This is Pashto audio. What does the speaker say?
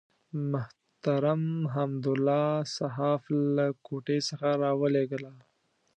محترم حمدالله صحاف له کوټې څخه راولېږله.